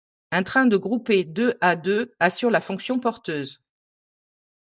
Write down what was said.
Un train de groupés deux à deux assure la fonction porteuse.